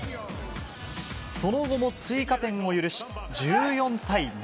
その後も追加点を許し、１４対７。